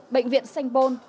bệnh viện sanh pôn